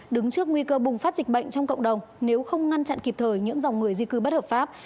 đứng trước nguy cơ bùng phát dịch bệnh trong cộng đồng nếu không ngăn chặn kịp thời những dòng người di cư bất hợp pháp